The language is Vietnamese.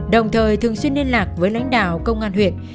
đồng thời thường xuyên liên lạc với lãnh đạo công an huyện